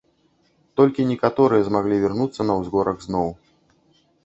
Толькі некаторыя змаглі вярнуцца на ўзгорак зноў.